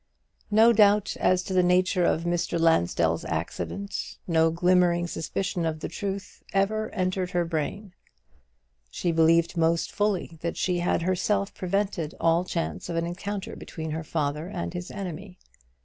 No doubt as to the nature of Mr. Lansdell's accident, no glimmering suspicion of the truth, ever entered her brain. She believed most fully that she had herself prevented all chance of an encounter between her father and his enemy.